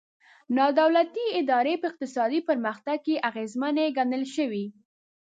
نا دولتي ادارې په اقتصادي پرمختګ کې اغېزمنې ګڼل شوي.